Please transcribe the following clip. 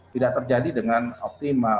tidak terjadi dengan optimal